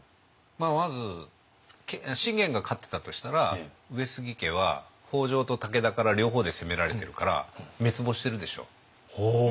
まず信玄が勝ってたとしたら上杉家は北条と武田から両方で攻められてるから滅亡してるでしょ。